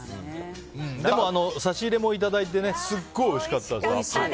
でも、差し入れもいただいてねすっごいおいしかったです。